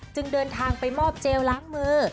เดินทางไปมอบเจลล้างมือ